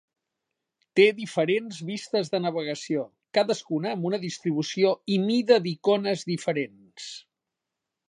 Té diferents vistes de navegació, cadascuna amb una distribució i mida d'icones diferent.